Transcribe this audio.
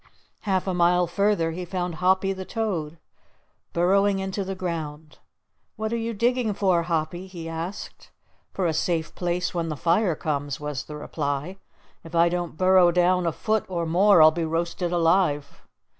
Half a mile further he found Hoppy the Toad burrowing into the ground. "What are you digging for, Hoppy?" he asked. "For a safe place when the fire comes," was the reply. "If I don't burrow down a foot or more I'll be roasted alive."